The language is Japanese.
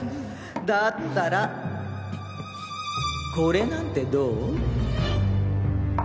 だったらこれなんてどう？